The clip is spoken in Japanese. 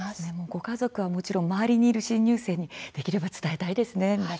ご家族はもちろん周りにいる新入生にもできれば伝えたいですね。